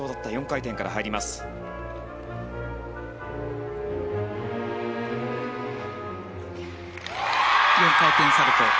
４回転サルコウ。